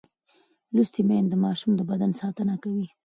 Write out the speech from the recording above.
لوستې میندې د ماشوم د بدن ساتنه کوي.